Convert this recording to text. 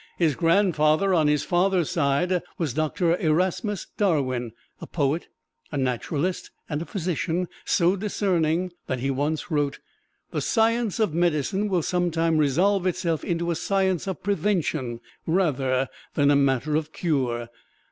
His grandfather on his father's side was Doctor Erasmus Darwin, a poet, a naturalist, and a physician so discerning that he once wrote: "The science of medicine will some time resolve itself into a science of prevention rather than a matter of cure.